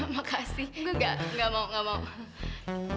makasih gue nggak mau nggak mau